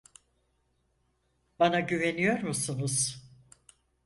Bana güveniyor musunuz?